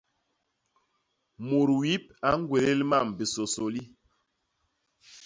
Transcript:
Mut wip a ñgwélél mam bisôsôli.